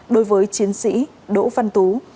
đối với chiến sĩ đỗ văn tú